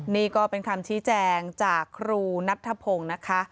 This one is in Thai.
นี่ก็เป็นคำชี้แจงจากครูนัทธพงศ์นะคะ